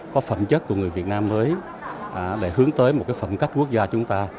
có phẩm chất của người việt nam mới để hướng tới một phẩm cách quốc gia chúng ta